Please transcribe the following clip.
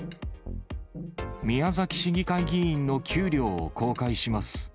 宮崎市議会議員の給料を公開します。